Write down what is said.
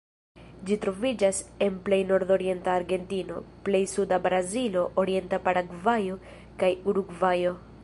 Ĝi troviĝas en plej nordorienta Argentino, plej suda Brazilo, orienta Paragvajo kaj Urugvajo.